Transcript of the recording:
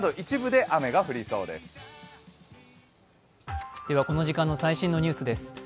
では、この時間の最新のニュースです。